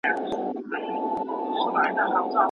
رنځور جانانه رنځ دي ډېر سو ،خدای دي ښه که راته